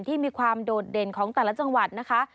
ที่มีความโดดเด่นของแต่ละจังหวัดนะคะ